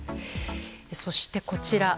そして、こちら。